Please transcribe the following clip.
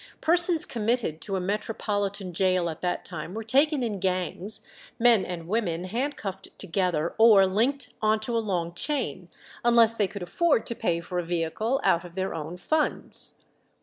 Persons committed to a metropolitan gaol at that time were taken in gangs, men and women handcuffed together, or linked on to a long chain, unless they could afford to pay for a vehicle out of their own funds.